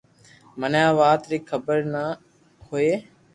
مني آ وات ري خبر ني ھوئي